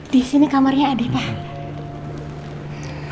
disini kamarnya adi pak